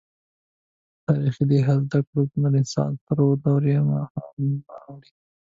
تاریخي لحاظ زوکړه رنسانس تر دورې هاخوا نه اوړي.